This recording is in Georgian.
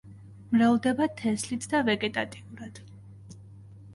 მრავლდება თესლით და ვეგეტატიურად.